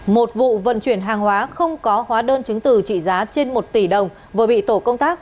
một vụ vận chuyển hàng hóa không có hóa đơn chứng từ trị giá trên một tỷ đồng vừa bị tổ công tác